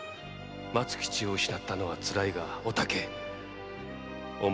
「松吉を失ったのはつらいがお竹お前のせいではない」